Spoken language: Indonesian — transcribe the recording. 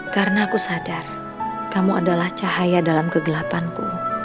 karena aku sadar kamu adalah cahaya dalam kegelapanku